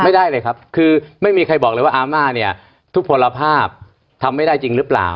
ไม่ได้เลยครับคือไม่มีใครบอกเลยว่าอาม่าเนี่ยทุกผลภาพทำไม่ได้จริงหรือเปล่า